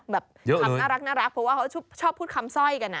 แบบคำน่ารักเพราะว่าเขาชอบพูดคำสร้อยกัน